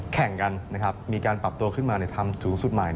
แข่งกันนะครับมีการปรับตัวขึ้นมาทำสูงสุดใหม่